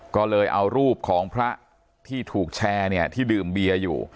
ก็เลยเอารูปของพระที่ถูกแชร์เนี่ยที่ดื่มเบียร์อยู่